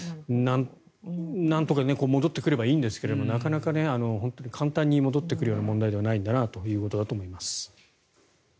なんとか戻ってくればいいんですがなかなか簡単に戻ってくる問題ではないんだなということだと思います。